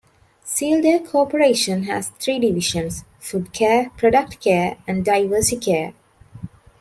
Sealed Air Corporation has three divisions: Food Care, Product Care, and Diversey Care.